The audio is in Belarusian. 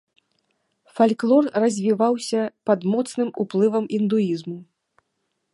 Фальклор развіваўся пад моцным уплывам індуізму.